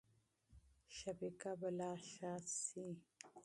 شبکه به لا ښه شي.